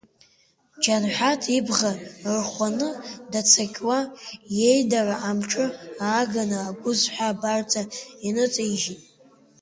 Џьанҳәаҭ ибӷа ырхәаны, даҵақьуа, иеидара амҿы ааганы агәызҳәа абарҵа иныҵаижьит.